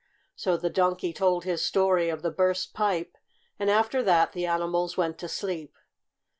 So the Donkey told his story of the burst pipe, and after that the animals went to sleep.